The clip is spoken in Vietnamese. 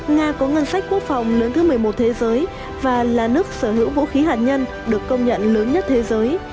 nga có ngân sách quốc phòng lớn thứ một mươi một thế giới và là nước sở hữu vũ khí hạt nhân được công nhận lớn nhất thế giới